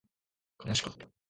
悲しかった